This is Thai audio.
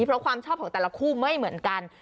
เพราะความชอบของแต่ละคู่ไม่เหมือนกัน